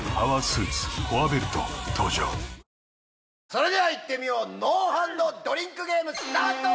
それではいってみよう、ノーハンドドリンクゲーム、スタート。